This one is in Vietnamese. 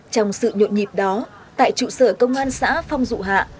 trong sự nhộn nhịp đó tại trụ sở công an xã phong dụ hạ